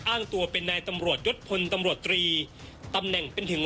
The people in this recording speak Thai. อ้างตัวเป็นนายตำรวจยศพลตำรวจตรีตำแหน่งเป็นถึง